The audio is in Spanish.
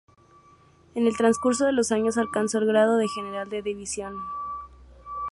En el transcurso de los años alcanzó el grado de General de División.